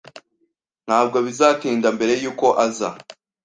Ntabwo bizatinda mbere yuko aza.